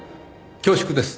恐縮です。